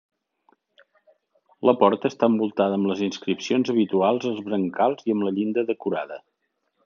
La porta està envoltada amb les inscripcions habituals als brancals i amb la llinda decorada.